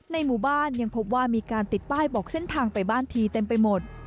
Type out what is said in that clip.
ในหมู่บ้านยังพบว่ามีการติดป้ายบอกเส้นทางไปบ้านทีเต็มไปหมด